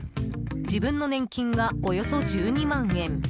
自分の年金がおよそ１２万円。